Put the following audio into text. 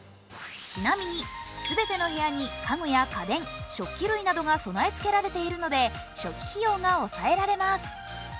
ちなみに全ての部屋に家具や家電、食器類などが備え付けられているので初期費用が抑えられます。